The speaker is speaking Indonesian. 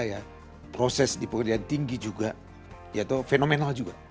apa yang dilaporkan klien saya proses di pengadilan tinggi juga ya toh fenomenal juga